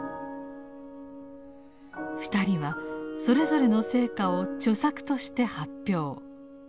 二人はそれぞれの成果を著作として発表。